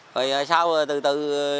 rồi sau từ từ